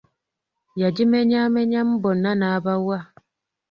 Yagimenyaamenyangamu bonna n'abawa.